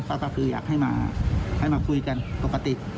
ก็คืออยากให้มาให้มาคุยกันปกติ